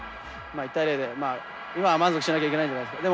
１対０で今は満足しなきゃいけないんじゃないですか。